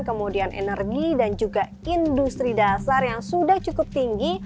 kemudian energi dan juga industri dasar yang sudah cukup tinggi